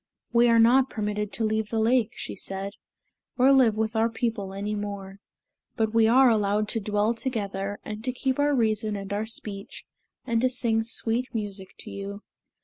"We are not permitted to leave the lake," she said, "or live with our people any more. But we are allowed to dwell together and to keep our reason and our speech, and to sing sweet music to you."